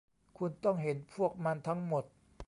คุณต้องเห็นพวกมันทั้งหมด